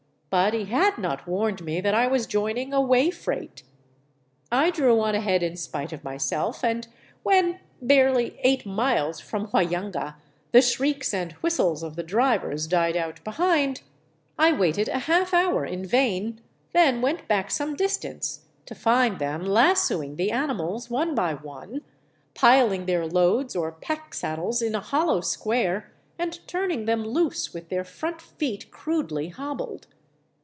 But he had not warned me that I was joining a way freight. I drew on ahead in spite of myself, and when, barely eight miles from Huallanga, the shrieks and whistles of the drivers died out behind, I waited a half hour in vain, then went back some distance to find them lassooing the animals one by one, piling their loads or pack saddles in a hollow square, and turning them loose with their front feet crudely hobbled.